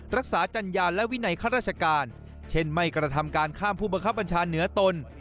รักษาจัญญาและวินัยข้าราชการเช่นไม่กระทำการข้ามผู้บังคับบัญชาเหนือตน